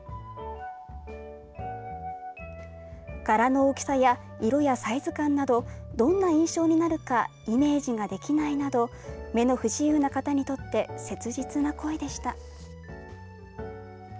柄の大きさや色やサイズ感などどんな印象になるかイメージができないなど目の不自由な方にとって切実な声でした。